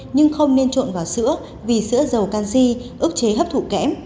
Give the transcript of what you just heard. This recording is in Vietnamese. nhưng không nên trộn vào sữa vì sữa dầu canxi ước chế hấp thụ kẽm